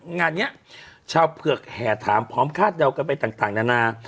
งานนี้ชาวเผือกแห่ถามพร้อมคาดเดากันไปต่างนานา